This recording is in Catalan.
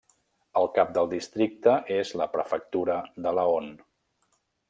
El cap del districte és la prefectura de Laon.